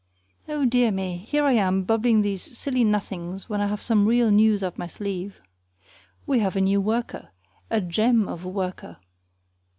Oh, dear me! Here I am babbling these silly nothings when I have some real news up my sleeve. We have a new worker, a gem of a worker.